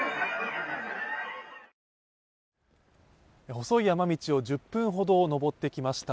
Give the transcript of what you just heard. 細い山道を１０分ほど登ってきました。